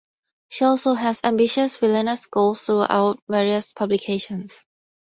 She also has ambitious villainous goals throughout various publications.